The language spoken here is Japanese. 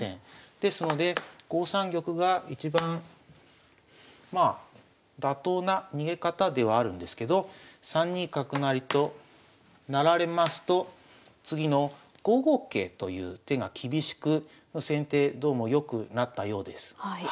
ですので５三玉が一番まあ妥当な逃げ方ではあるんですけど３二角成となられますと次の５五桂という手が厳しく先手どうもよくなったようです。